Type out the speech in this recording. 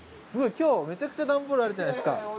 今日めちゃくちゃ段ボールあるじゃないですか！